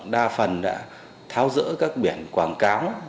đa phần đã tháo rỡ các biển quảng cáo